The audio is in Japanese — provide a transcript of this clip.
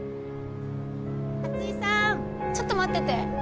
・松井さん・ちょっと待ってて。